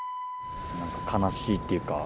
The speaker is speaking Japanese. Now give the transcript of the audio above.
なんか悲しいっていうか。